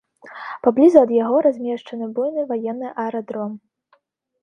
Паблізу ад яго размешчаны буйны ваенны аэрадром.